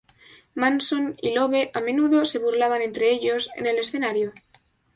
Manson y Love a menudo se burlaban entre ellos en el escenario.